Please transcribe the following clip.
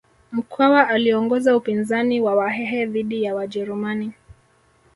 Mkwawa aliongoza upinzani wa wahehe dhidi ya wajerumani